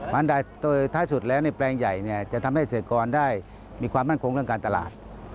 มันโดยท้ายสุดแล้วในแปลงใหญ่จะทำให้เศรษฐกรได้มีความมั่นคงเรื่องการตลาด